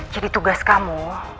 jadi tugas kamu